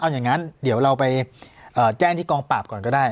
อย่างนั้นเดี๋ยวเราไปแจ้งที่กองปราบก่อนก็ได้